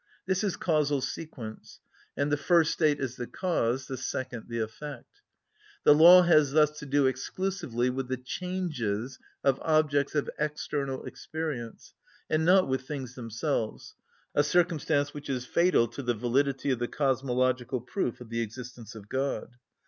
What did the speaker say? This is causal sequence, and the first state is the cause, the second the effect. The law has thus to do exclusively with the changes of objects of external experience, and not with things themselves, a circumstance which is fatal to the validity of the cosmological proof of the existence of God.